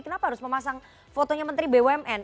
kenapa harus memasang fotonya menteri bumn